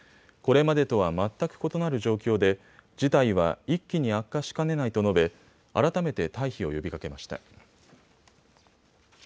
これまでとは全く異なる状況で事態は一気に悪化しかねないと述べ、改めて退避を呼びかけました。